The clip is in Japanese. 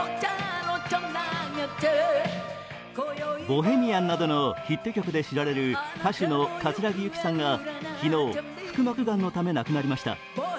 「ボヘミアン」などのヒット曲で知られる歌手の葛城ユキさんが昨日、腹膜がんのため亡くなりました。